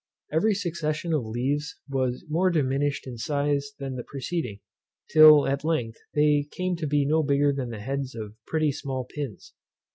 Every succession of leaves was more diminished in size than the preceding, till, at length, they came to be no bigger than the heads of pretty small pins.